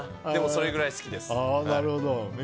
でもそれぐらい好きです。